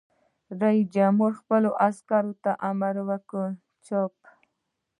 رئیس جمهور خپلو عسکرو ته امر وکړ؛ چپ!